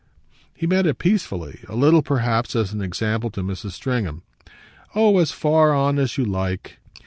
He met it peacefully, a little perhaps as an example to Mrs. Stringham "Oh as far on as you like!"